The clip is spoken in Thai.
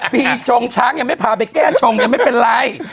ปีชงช้างยังไม่พาไปแก้ชงยังไม่เป็นไร